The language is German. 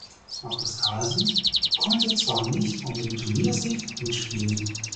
Magnus Carlsen konnte zwar nicht um den Turniersieg mitspielen.